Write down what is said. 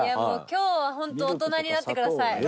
今日はホント大人になってください。